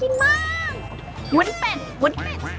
หุ้นเป้นหุ้นเป้น